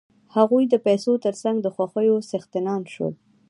هغوی د پیسو تر څنګ د خوښیو څښتنان شول